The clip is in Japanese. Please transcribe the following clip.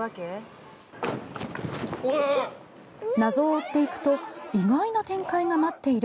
謎を追っていくと意外な展開が待っている。